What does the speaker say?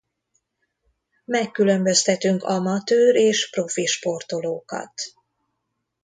Megkülönböztetünk amatőr és profi sportolókat.